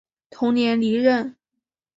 同年离任。